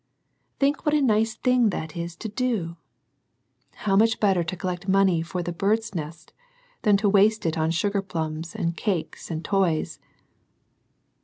Think what a nice thing that is to do ! How much better to collect money for the " Bird's Nest," than to waste it on sugar plums, and cakes, and toys